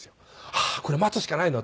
ああーこれ待つしかないなと。